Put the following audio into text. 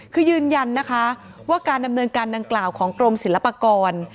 คือยืนยันนะคะว่าการดำเนินการดังกล่าวของกรมศิลปากร